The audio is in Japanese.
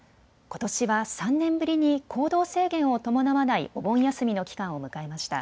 ことしは３年ぶりに行動制限を伴わないお盆休みの期間を迎えました。